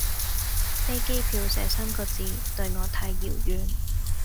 飛機票這三個字對我太遙遠